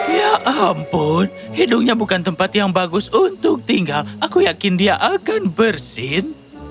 ya ampun hidungnya bukan tempat yang bagus untuk tinggal aku yakin dia akan bersin